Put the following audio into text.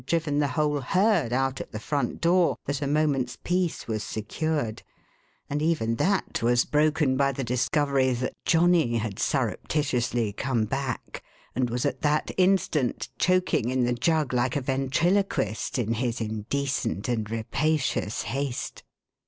driven the whole herd out at the front door, that a moment's peace was 506 THE HAUNTED MAN. secured; and even that was broken by the discovery that Johnny had surreptitiously come back, and was at that instant choking in the jug like a ventriloquist, in his indecent and rapacious haste.